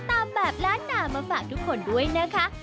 ตามแบบล้านนามาฝากทุกคนด้วยนะคะ